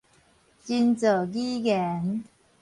人造語言